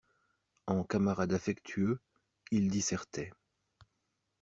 En camarade affectueux, il dissertait.